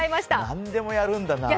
何でもやるんだな。